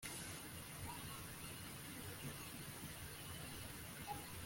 ndemeranya kurwego rwamarangamutima, ariko kurwego rwa pragmatique sinemeranya